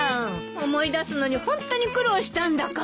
思い出すのにホントに苦労したんだから。